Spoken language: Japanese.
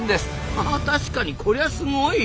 あは確かにこりゃすごい！